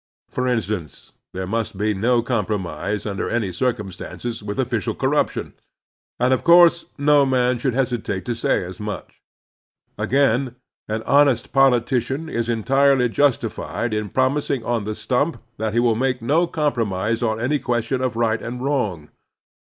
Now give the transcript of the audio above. For instance, there must be no compromise tmder any circum stances with official corruption, and of course no man should hesitate to say as much. Again, an honest politician is entirely justified in promising on the stump that he will make no compromise on any question of right and wrong.